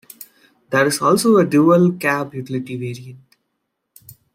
There is also a Dual Cab Utility variant.